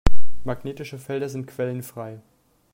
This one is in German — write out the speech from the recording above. Magnetische Felder sind quellenfrei.